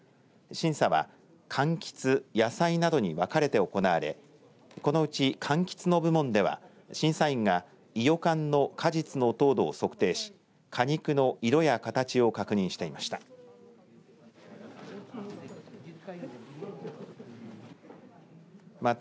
審査は、かんきつ、野菜などに分かれて行われこのうち、かんきつの部門では審査員がいよかんの果実の糖度を測定し果肉の色や形を確認してました。